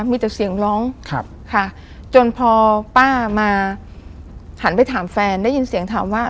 มีแต่เสียงร้องค่ะจนพอป้ามาหันไปถามแฟนได้ยินเสียงถามว่า